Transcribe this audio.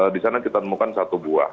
di sana kita temukan satu buah